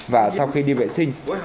và sau khi đi vệ sinh